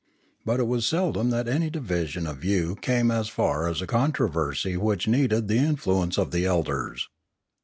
But it was seldom that any division of view came as far as a controversy which needed the influence of the elders.